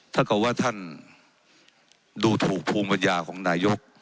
ถ้าเกิดว่าท่านดูถูกภูมิปัญญาของนายก